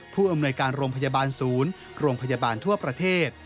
ผู้อำนวยการโรงพยาบาลศูนย์โรงพยาบาลทั่วประเทศ